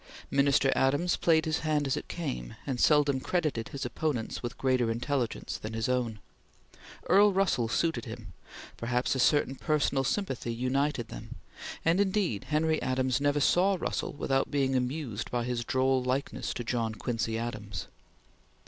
Minister Adams played his hand as it came, and seldom credited his opponents with greater intelligence than his own. Earl Russell suited him; perhaps a certain personal sympathy united them; and indeed Henry Adams never saw Russell without being amused by his droll likeness to John Quincy Adams.